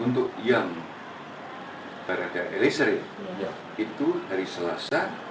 untuk yang barada eliezer itu hari selasa